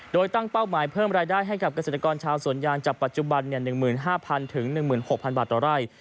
โดยตั้งเป้าหมายเพิ่มรายได้ให้กับเกษตรกรชาวสวนยางจากปัจจุบัน๑๕๐๐๑๖๐๐บาทต่อไร่